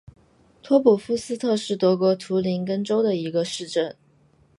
托普夫斯特是德国图林根州的一个市镇。